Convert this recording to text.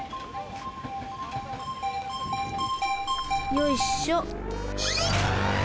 よいっしょ。